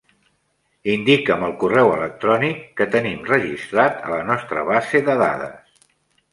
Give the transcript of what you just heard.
Indica'm el correu electrònic que tenim registrat a la nostra base de dades.